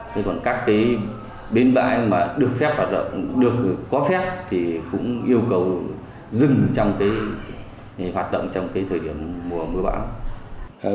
thế còn các cái bến bãi mà được phép hoạt động được có phép thì cũng yêu cầu dừng trong cái hoạt động trong cái thời điểm mùa mưa bão